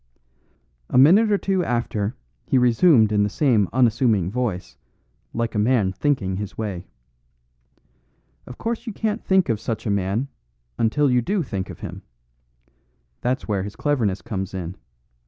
A minute or two after he resumed in the same unassuming voice, like a man thinking his way. "Of course you can't think of such a man, until you do think of him. That's where his cleverness comes in.